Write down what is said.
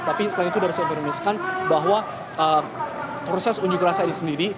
tapi selain itu saya ingin menunjukkan bahwa proses unjuk rasa ini sendiri